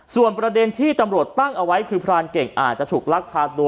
ส่วนประเด็นที่ตำรวจตั้งเอาไว้คือพรานเก่งอาจจะถูกลักพาตัว